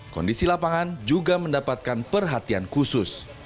kondisi lapangan juga mendapatkan perhatian khusus